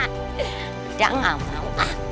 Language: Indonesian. udah gak mau